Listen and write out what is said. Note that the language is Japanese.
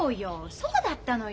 そうだったのよ。